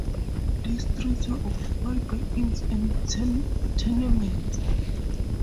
These streets were occupied by inns and tenements.